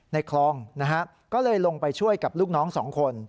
ในคลองก็เลยลงไปช่วยกับลูกน้อง๒คน